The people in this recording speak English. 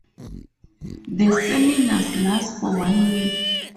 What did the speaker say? The seminars last for one week.